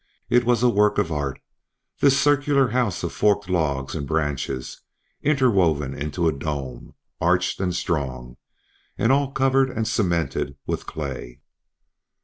It was a work of art, this circular house of forked logs and branches, interwoven into a dome, arched and strong, and all covered and cemented with clay.